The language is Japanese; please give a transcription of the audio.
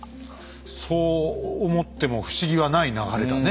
そう思っても不思議はない流れだね